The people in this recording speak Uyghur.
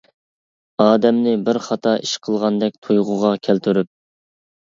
ئادەمنى بىر خاتا ئىش قىلغاندەك تۇيغۇغا كەلتۈرۈپ.